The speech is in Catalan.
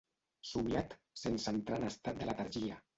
Somiat sense entrar en estat de letargia.